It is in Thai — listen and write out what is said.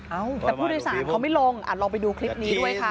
เอ้าแต่ผู้โดยสารเขาไม่ลงอ่ะลองไปดูคลิปนี้ด้วยค่ะ